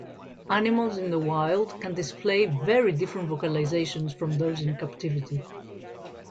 Animals in the wild can display very different vocalizations from those in captivity.